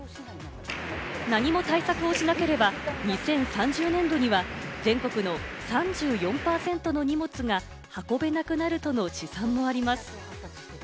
何も対策をしなければ、２０３０年度には全国の３４％の荷物が運べなくなるとの試算もあります。